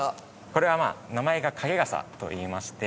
これは名前が影傘といいまして。